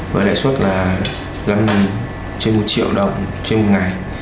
với đại xuất là năm trên một triệu đồng trên một ngày